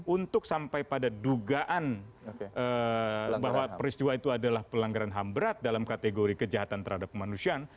untuk sampai pada dugaan bahwa peristiwa itu adalah pelanggaran ham berat dalam kategori kejahatan terhadap kemanusiaan